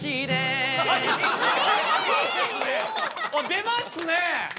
出ますね！